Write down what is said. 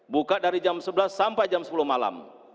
buka dari jam sebelas sampai jam sepuluh malam